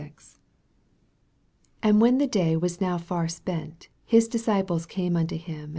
3546. 85 And when the day was now f;ir spent, his disciples came unto him.